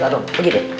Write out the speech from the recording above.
gak rom pergi deh